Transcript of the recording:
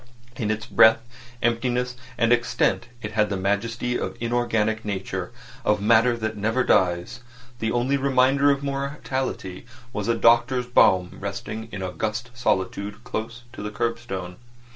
In its breadth, emptiness, and extent it had the majesty of inorganic nature, of matter that never dies. The only reminder of mortality was a doctor's brougham arrested in august solitude close to the curbstone.